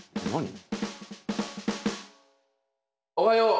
はい。